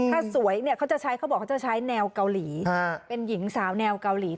ถ้าสวยเขาบอกว่าเขาจะใช้แนวเกาหลีเป็นหญิงสาวแนวเกาหลี